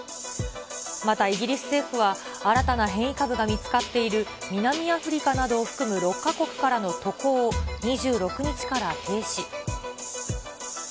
またイギリス政府は、新たな変異株が見つかっている南アフリカなどを含む６か国からの渡航を２６日から停止。